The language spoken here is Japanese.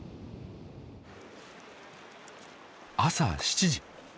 朝７時。